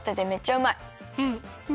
うん。